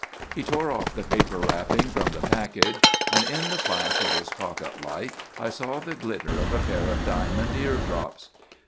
He tore off the paper wrapping from the package and in the flash of his pocket light I saw the glitter of a pair of diamond ear drops.